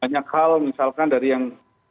banyak hal misalkan dari yang